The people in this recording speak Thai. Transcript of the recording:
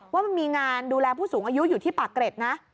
ว่ามันมีงานดูแลผู้สูงอายุอยู่ที่ปากเกร็ดนะ